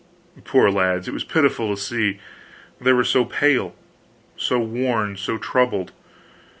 Poor lads, it was pitiful to see, they were so pale, so worn, so troubled.